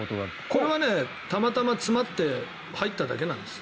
これはたまたま詰まって入っただけなんです。